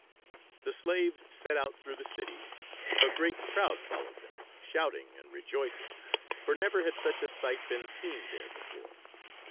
The slaves set out through the city; a great crowd followed them, shouting and rejoicing, for never had such a sight been seen there before.